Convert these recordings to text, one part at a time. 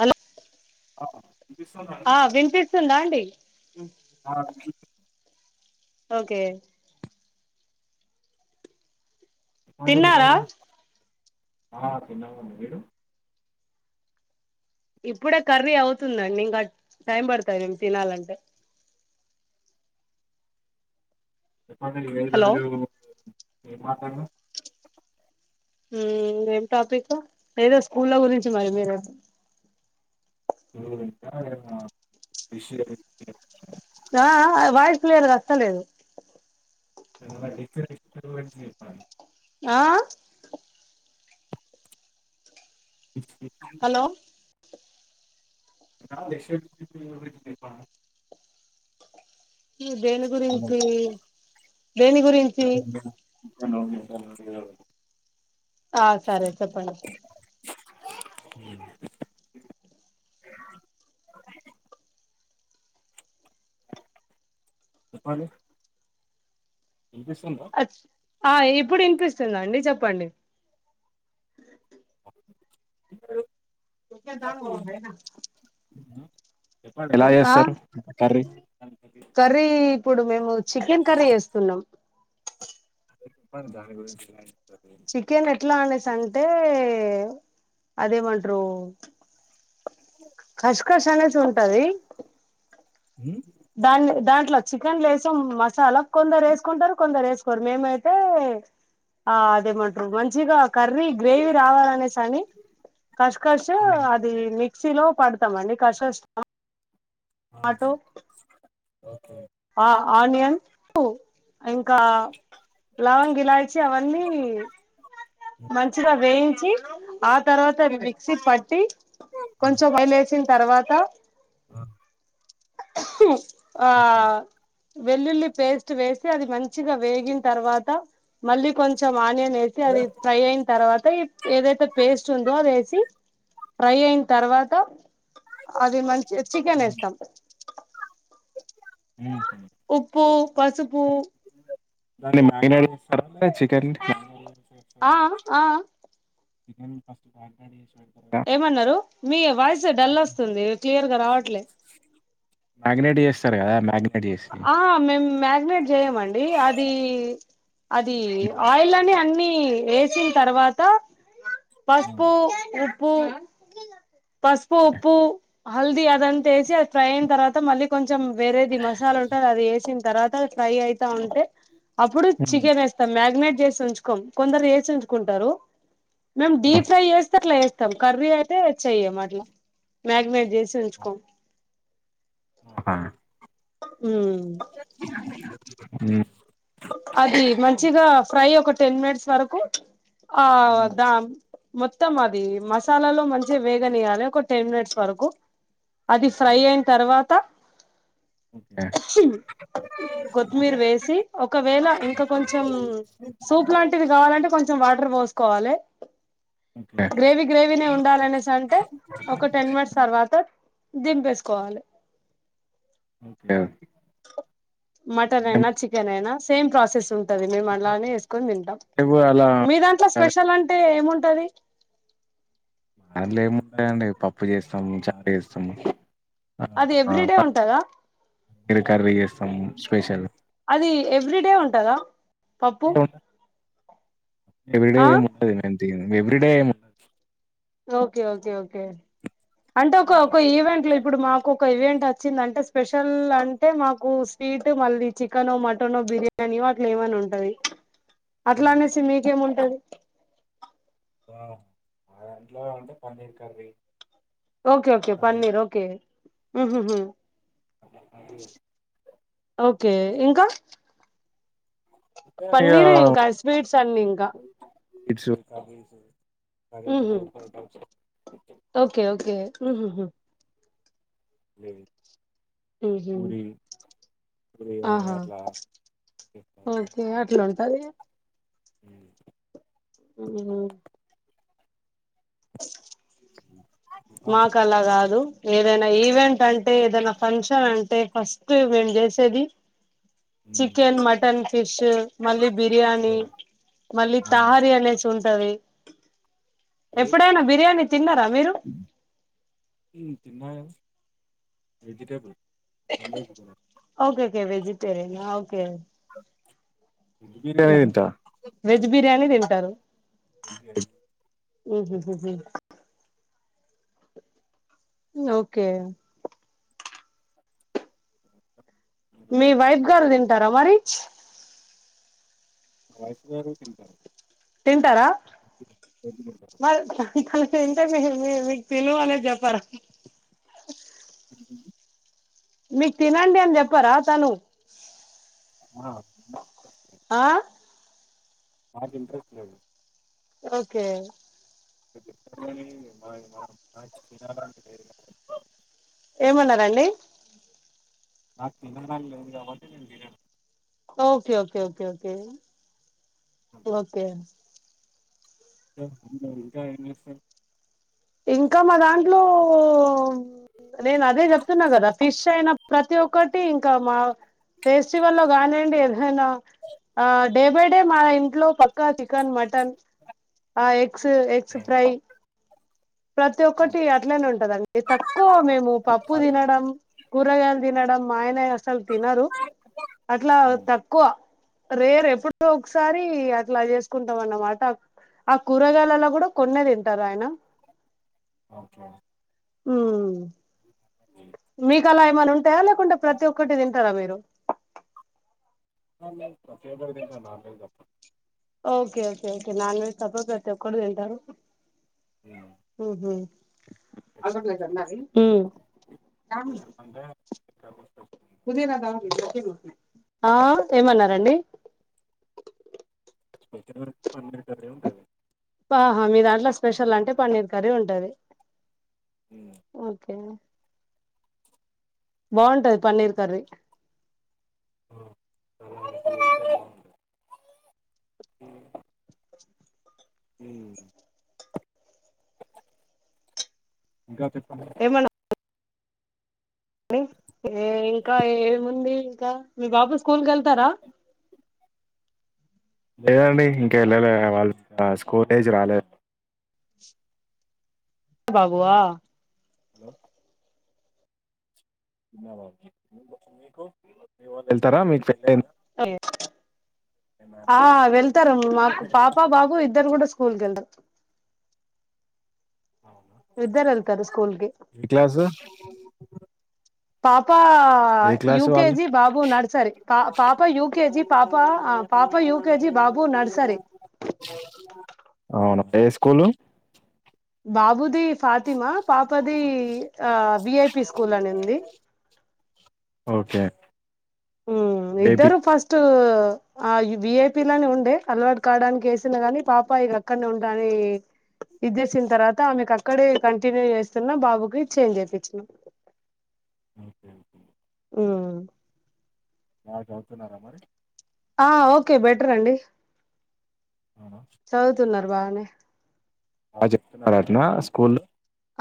అన్న అవు ఆ వినిపిస్తుందా అండి ఓకే తిన్నారా మాంటరివరి ఆ చిన్నడు ఇప్పుడే కర్రీ అవుతుందండి ఇంకా టైం పడుతాంది మేము తినాలంటే ఎప్పంట హలో ఏదరు ఏం మాట్లాడినా ఏం టాపిక్ లేదో స్కూ లో గురించి మరి మీరు విష ఆ వాయిసు లేదు అస్తలేదు రప్ప ఆ ఇ హలో క్ష దేని గురించి దేని గురించి ఆ సరే చెప్పండి స అ ఇంపిస్తుంలో ఆ ఇప్పుడు ఇనిపిస్తుందా అండి చెప్పండి రు పిచ్చే దాల్ ఉనో హెనా చెప్పుండి ఎలా చేస్తారు కర్రీ కర్రీ ఇప్పుడు మేము చికెన్ కర్రీ చేస్తున్నాం మరి దాని గురించి చికెన్ ఎట్లా అనేసి అంటే అది ఎమంటరు కష్ కస్ అనేసి ఉంటది దాన్ది దాన్ ఇట్ల చికెన్ లేసం మసాల కొందరు వేసుకుంటరు కొంద రేస్ కొరిమేమయితే ఆ దే మంటరు ఇక మంచిగా కర్రీ గ్రేవీ రావాలనేసి అని కష్ కష్ అది మిక్స్ షిలో పడతామండి కష్ స్లో ఆటో మ ఆనియన్స్ కు ఇంకా లవంగ్ ఇలాచి అవన్నీ మంచిగ వేయించి చ్చి ఆ తర్వాత అవి మిక్సీ పట్టి కొంచం ఆయి లేసి తర్వాత మ ఉహు ఆ వెల్లుల్లి పేస్ట్ వేసి అది మంచిగా వేగిన తర్వాత మళ్ళీ కొంచెం ఒ ఆనియన్ వేపి అది ఫ్రై అయిన తర్వాత ఏదైతే పేస్ట్ ఉందొ అది వేసి ఫ్రై అయిన తర్వాత అది మంచి చికెన్ ఎస్తాం ఉప్పు పసుపు దాన్ని మళ్ళి నడి సర్వర చికెన్ చేస్తారా? ఆయ్ అయ్ చికెన్ ఫస్ట్ [unintelligible] ఏమన్నారు మీ వాయిస్ డల్ వస్తుంది క్లియర్గా రావట్లే మ్యాగ్నేట్ చేస్తారు గదా మ్యాగ్ ఆ మేం మ్యాగ్ నేట్ చేయమండి అది అది ఆయిల్ అని అన్ నీ లేచిన తర్వాత పసుపు ఉప్ ఉ పసుపు ఉప్పు హల్దీ అదంతవేసి అది ఫ్రై తర్వాత మళ్ళీ కొంచెం వేరేది మాస్ అది వేసిన తర్వాత ఫ్రై అయితా ఉంటే అప్పుడు చికెన్ వేస్తాం మ్యాగ్నేట్ చేసి ఉంచుకోం కొందరు వేసి ఉంచుకుంటారు మ్యామ్ డీ ఫ్రై చేస్తే అట్లా ఎస్ తం కర్రీ అయితే చేయ్యం అట్లా మ్యాగినేట్ చేసి ఉంచుకోం ఓహా ఉ ఉహ్ అది మంచిగా ఫ్రై ఒక టెన్ మినిట్స్ వరకు ఆదాన్ మొత్తం అది మసాలాలో మంచిగా వేగనీయాలి ఒక టెన్ మినిట్స్ వరకు అది ఫ్రై అయిన తర్వాత్ ఓకే త్త కొత్తిమీర్ వేసి ఒకవేళ ఇంకా కొంచెం సూప్ లాంటివి కావాలంటే కొన్ కొంచెం వాటర్ వోసుకోవాలే ఓకే గ్రేవీ గ్రేవీనే ఉండాలనేసి అంటే ఒక టెన్ మినిట్స్ తర్వాత దింపేసుకోవాలే ఓకే ఏం సెమేనా సేమ్ ప్రాసెస్ మేము అలా మీ దాంట్ల స్పెషల్ అంటే ఏమున్ దది అందులో ఏముంటాయండి పప్పు చేస్తాము చారు చేస్తాము అది ఎవ్రీడే ఉంటదా ఆర కర్రీ చేస్తాము స్పెషల్ అది ఎవ్రీ డే ఉంటదా పప్పు ఎవ్రీ డే ఆ ముద్ద వేయండి every day okay okay okay అంటే ఒకక్క ఈవెంట్ లో ఇప్పుడు మాకు ఒక ఈవెంట్ వచ్చింది అంటే స్పెషల్ అంటే మాకు స్వీట్ మళ్ళీ చికెన్ మటన్ బిర్యానీ వాటిల్లో ఏమన్నా ఉంటది అట్లా అనేసి మీకేముంటది వావ్ మా ఇంట్లో ఉంటే paneer curry okay okay paneer okay ఉహూ హూ ఓకె ఓకే ఇంకా మొత్తం ఇడా పన్నీరే ఇంకా స్వీట్స్ అన్ని ఇంకా స్వీట్స్ ఉహు కర్రిస్ ఓకే ఓకే ఉహు హు లేవి ఉహు ఆహా ఓకే అట్లా ఉంటది ఉమ్ ఉహుమ్ మాకు అలా కాదు ఏదైనా ఈవెంట్ అంటే ఏదైనా ఫంక్షన్ అంటే ఫస్ట్ మేము చేసేది చికెన్ మటన్ పిష్ మళ్ళీ బిర్యానీ మళ్ళీ తహారీ అనేసి ఉ టంది ఎప్పుడైనా బిర్యానీ తిన్నారా మీరు వెజిటేబుల్ ఓకే ఓకే వెజిటేరియన్ ఆ ఓకే వెజ్ బిర్యాని తింటా వెజ్ బిర్యానీ తింటారు ఎంకె రైస్ ఉహు హుమ్ ఉమ్ ఓకే మీ వైఫ్ గారు ని తరమరిచ్ నా వైఫ్ గారు తింటారు తింటారా మ ర [inaudible] ఇంటర్ మీ మీ మీకు తెలివాలే చెప్పార మీకు తినండి అని చెప్పారా తను ఆ ఆ మాకు ఇంట్రెస్ట్ లేదు ఓకే నువ్వు చెప్పవని మా మా మాకు తినాలనీలేదు ఏమన్నారండి నాకు తినాలని లేదు కాబ్బటి నేను తినను okay okay okay okay okay ఇంకా ఇంకా ఏమి చేస్తారు ఇంకా మా దాంట్లో నేను అదే చెప్తున్నా కదా ఫిష్ అయినా ప్రతి ఒక్కటి ఇంకా మా ఫెస్టివల్లో కానివండి ఏదైనా డే బై డే మా ఇంట్లో పక్కా chicken mutton eggs eggs fry ప్రతి ఒక్కటి అట్లనే ఉంటదండి. ఎత్తుకు కో మేము పప్పు తినడం కూరగాయలు తినడం మాయనే అసలు తినారు అట్లా తక్కువ రేరు ఎపుడో ఒకసారి అట్లా చేసుకుంటాం అన్నమాట ఆ కూరగాయలలో కూడా కొన్న తింటారు ఆయన ఓకే హుమ్ మీ కల మనం తేలేకుండా ప్రతి ఒక్కటి తింటారా మీరు అ ప్రతి ఒక్కటి తింటా నాన్ వెజ్ తప్ప okay okay okay non veg తప్ప ప్రతి ఒక్కటి తింటారు. హు హు హుమ్ ఆ ఏమన్నారండి స్పెషల్ పన్నీరు కర్రి ఉంటంది ఆహా మీ దాంట్లో స్పెషల్ అంటే పన్నీర్ కర్రీ ఉంటది ఓకే బాగుంటది పన్నీరు కర్రి హ హ్మ్ ఇంకా చెప్ప ని ఏ ఇంకా ఏముంది మీ బాబు స్కూల్ కి వెళ్తారా లేదండి ఇంకా వెళ్ళలే వాళ్ళు స్కూల్ ఏజ్ రాలే బాబువా హలో వెళ్తారా మీకు పెళ్ ఓ ఆ వెళ్తారు మాకు పాప బాబు ఇద్దరు కూడా స్కూల్కి వెళ్ళరు ఇద్దరెళ్తారు స్కూల్కి ఏ క్లాసు పాప ఏ ఆ క్లాసు వాళ్ళు యూకేజి బాబు నర్సరీ పా పాప యూకేజి పాప ఆ పాప యూకెజి బాబు నర్సరీ అవునా ఏ స్కూలు బాబు ది ఫాతిమా పాపది ఆ వి ఐ పి స్కూల్ అనింది ఓకే హ్మ్ బేబీ ఇద్దరూ ఫస్టు ఆ ఈ వి ఐ పి లోని ఉండే అలవాటు కావడానికి వేసిన గాని పాప ఇక అక్కడనే ఉంటానని ఇది జేసిన తర్వాత ఆమెకు అక్కడే కంటిన్యూ చేస్తున్నా బాబుకి చేంజ్ చేపిచ్చిన ఓకే ఓకే హ్మ్ మాజవుతు నా అమరి ఆ ఓకే బెటర్ అండి. చదువుతున్నారు [unintelligible] బా చెప్తున్నారు అటనా స్కూల్లో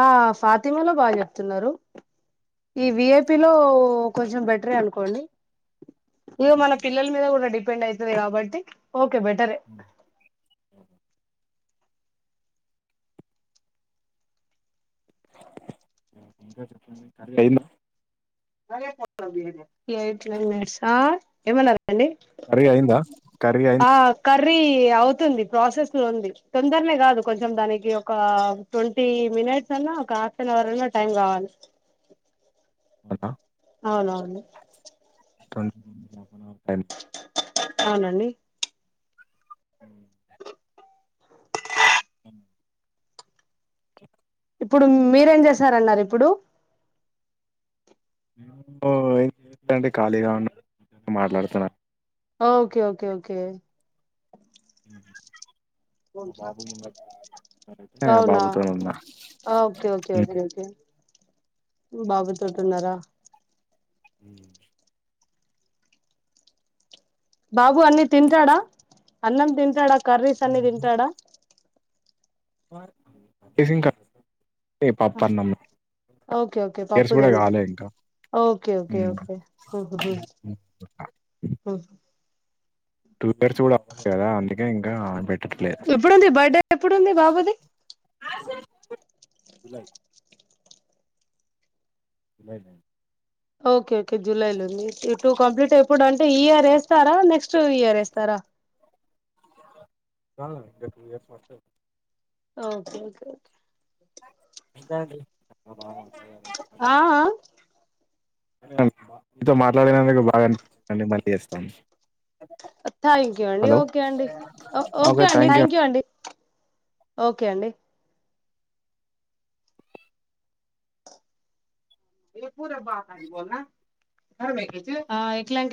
ఆ ఫాతిమాలో బా చెప్తున్నారు ఈ వి ఐ పి లో కొంచెం బెటరే అనుకోండి ఇగో మన పిల్లల మీద కూడా డి ఫ్రెండ్ అయితది కాబట్టి ఓకే బెటరే ఏంద్ ఆ ఏమన్నారు కర్రీ అయిందా కర్రీ అయిం ఆ కర్రీ అవుతుంది ప్రాసెస్ లో ఉంది తొందరనే కాదు కొంచం దానికి ఒక ట్వంటీ మినిట్స్ అన్నా ఒక హాఫ్ అన్ అవర్ అన్నా టైం కావాలి అవ్నా అవునవును [inaudible] అవ్న్నండి మ్మ్ ఇప్పుడు మీరేం చేసారన్నాన్నరిప్పుడు [unintelligible] ఏం చేయలేదండి ఖాళీగా ఉన్నా మీతోనే మాట్లాడతన్నా ఓకే ఓకే ఓకే హ్మ్ అవునా బాబుతో ఉన్నా ఓకేఒకే ఉమ్. ఒకే ఒకే బాబుతోటున్నారా మ్మ్ బాబు అన్ని తింటాడా అన్నం తింటాడా కర్రీస్ అన్నీ తింతాడా ఏసీం కార్డ్ అంటే పప్పన్నమ్ ఓకే ఓకే తెల్సి పప్పు కూడా దిం ఇగా ఆలే ఇంకా ఓకే ఓకే హ్మ్ ఓకే టూ పర్స్ కూడా అవలే గా అంద్ ఇంకా ఆ పేట్ ఎప్పుడుంది బర్త్డే ఎప్పుడుంది బాబుది జులై రేన్ ఓకే ఓకే జులైలో ఉంది ఇటు టు కంప్లీట్ ఎప్పుడు అంటే ఈ ఇయర్ వేస్తారా నెక్స్ట్ ఇయర్ వేస్తారా ఆ రేపు ఏ ఫస్ట్ వెళ్తాం ఓకే ఓకే ఓకే ఇంకా అండి మా [unintelligible] ఆ ఆ మీతో మాట్లాడినందుకూ బాగా అనిపించిందండి మళ్ళీ చేస్తాను థ్యాంక్ యూ అండి హలో ఓకే అండి ఓ ఓకే అండి థ్యాంక్ యూ అండి ఓకే అండి ఆ ఏట్లాటీ